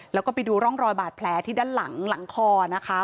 แล้วก็ไปดูร่องรอยบาดแผลที่ด้านหลังหลังคอนะคะ